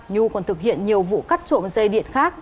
nhu còn thực hiện nhiều vụ cắt trộm dây điện khác